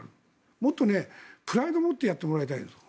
もっとプライドを持ってやってもらいたい。